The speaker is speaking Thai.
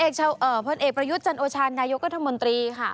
ผลเอกประยุทธ์จันโอชาญนายกรัฐมนตรีค่ะ